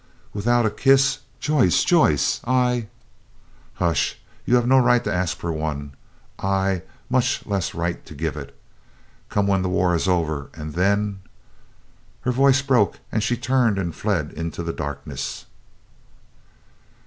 "Without a kiss, Joyce. Joyce, I—" "Hush! you have no right to ask for one, I much less right to give it. Come when the war is over, and then"—Her voice broke, and she turned and fled into the darkness.